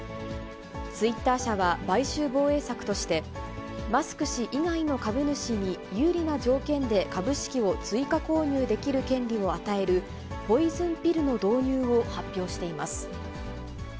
ツイッター社は買収防衛策として、マスク氏以外の株主に有利な条件で株式を追加購入できる権利を与えるポイズンピルの導入を発表しています。